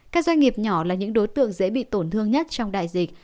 các doanh nghiệp nhỏ là những đối tượng dễ bị tổn thương nhất trong đại dịch